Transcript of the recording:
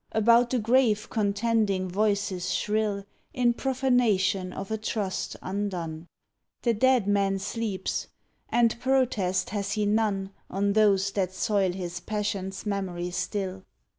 About the grave contending voices shrill, In profanation of a trust undone : The dead man sleeps, and protest has he none On those that soil his passion s memory still.